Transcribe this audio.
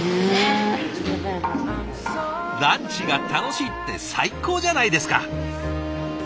ランチが楽しいって最高じゃないですか！